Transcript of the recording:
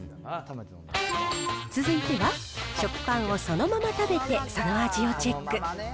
続いては、食パンをそのまま食べて、その味をチェック。